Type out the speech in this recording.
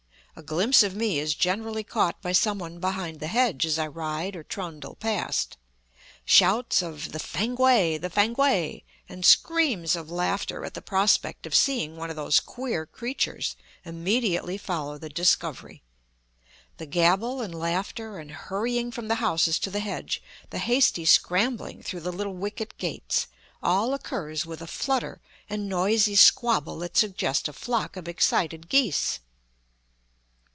A glimpse of me is generally caught by someone behind the hedge as I ride or trundle past; shouts of "the Fankwae, the Fankwae," and screams of laughter at the prospect of seeing one of those queer creatures, immediately follow the discovery. The gabble and laughter and hurrying from the houses to the hedge, the hasty scrambling through the little wicket gates, all occurs with a flutter and noisy squabble that suggest a flock of excited geese.